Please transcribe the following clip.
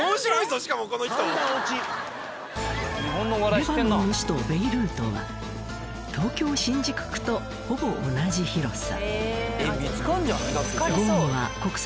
レバノンの首都ベイルートは東京・新宿区とほぼ同じ広さ。